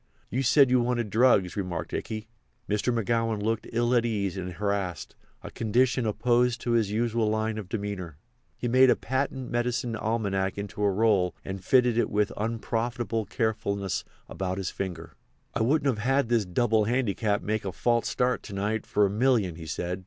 "You said you wanted drugs," remarked Ikey. Mr. McGowan looked ill at ease and harassed—a condition opposed to his usual line of demeanour. He made a patent medicine almanac into a roll and fitted it with unprofitable carefulness about his finger. "I wouldn't have this double handicap make a false start to night for a million," he said.